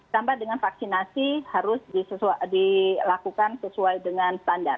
tambah dengan vaksinasi harus dilakukan sesuai dengan standar